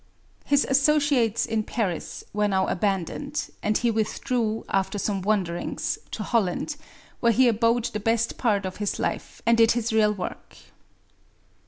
His associates in Paris were now abandoned, and he withdrew, after some wanderings, to Holland, where he abode the best part of his life and did his real work.